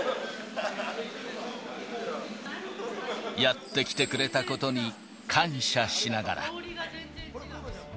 やって来てくれたことに感謝しながら。